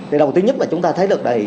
thì đầu tiên nhất là chúng ta thấy được đầy